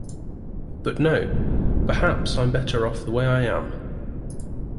But no — perhaps I’m better off the way I am.